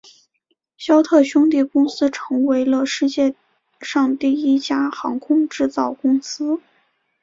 肖特兄弟公司成为了世界上第一家航空制造公司。